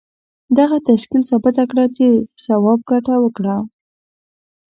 دغه تشکیل ثابته کړه چې شواب ګټه وکړه